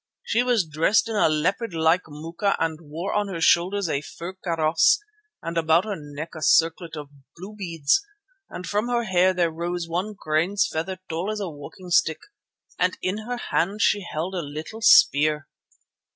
She was dressed in a leopard like moocha and wore on her shoulders a fur kaross, and about her neck a circlet of blue beads, and from her hair there rose one crane's feather tall as a walking stick, and in her hand she held a little spear.